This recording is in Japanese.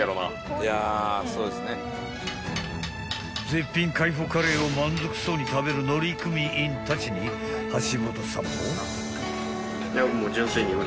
［絶品海保カレーを満足そうに食べる乗組員たちに橋本さんも］